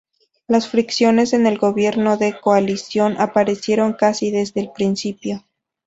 Las fricciones en el gobierno de coalición aparecieron casi desde el principio.